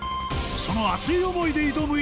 その熱い思いで挑む